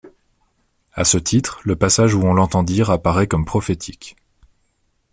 À ce titre, le passage où on l'entend dire apparaît comme prophétique.